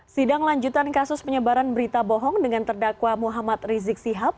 sidang lanjutan kasus penyebaran berita bohong dengan terdakwa muhammad rizik sihab